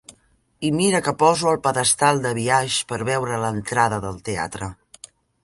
I mira que poso el pedestal de biaix per veure l'entrada del teatre.